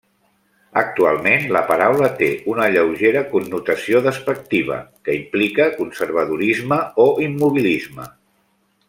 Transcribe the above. Actualment, la paraula té una lleugera connotació despectiva, que implica conservadorisme o immobilisme.